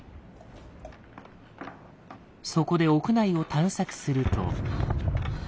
そこで屋内を探索すると。